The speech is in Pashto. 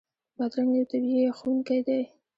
بادرنګ یو طبعي یخونکی دی.